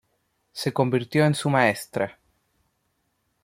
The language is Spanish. Se convirtió en su maestra.